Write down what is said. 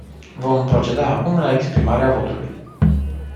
Vom proceda acum la exprimarea votului.